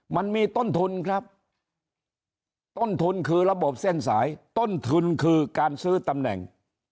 มันมีต้นทุนครับต้นทุนคือระบบเส้นสายต้นทุนคือการซื้อตำแหน่ง